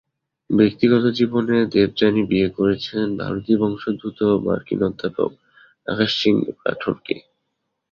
ব্যক্তিগত জীবনে দেবযানী বিয়ে করেছেন ভারতীয় বংশোদ্ভূত মার্কিন অধ্যাপক আকাশ সিং রাঠোরকে।